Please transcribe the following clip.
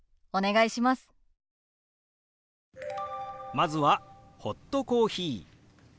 まずは「ホットコーヒー」。